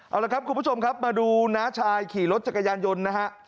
เอาละครับคุณผู้ชมครับมาดูน้าชายขี่รถจักรยานยนต์นะฮะ